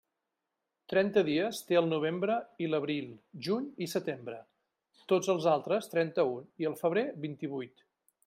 Trenta dies té el novembre, i l'abril, juny i setembre; tots els altres, trenta-un i el febrer vint-i-vuit.